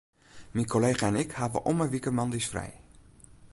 Myn kollega en ik hawwe om 'e wike moandeis frij.